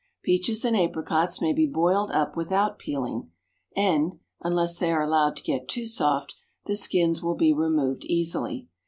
Peaches and apricots may be boiled up without peeling, and (unless they are allowed to get too soft) the skins will be removed easily.